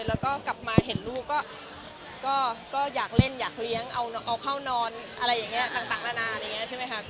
ไม่ได้กลับมาเห็นลูกก็อยากเล่นอยากเลี้ยงเอาเข้านอนต่างแล้วแหน่ง